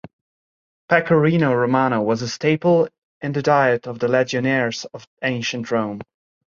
Pecorino Romano was a staple in the diet for the legionaries of ancient Rome.